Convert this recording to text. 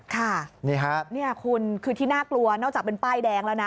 ค่ะนี่ครับนี่คุณคือที่น่ากลัวนอกจากเป็นป้ายแดงแล้วนะ